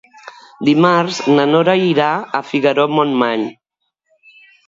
Dimarts na Nora irà a Figaró-Montmany.